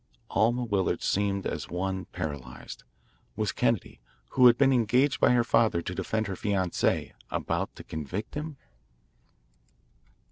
'" Alma Willard seemed as one paralysed. Was Kennedy, who had been engaged by her father to defend her fianc=82, about to convict him?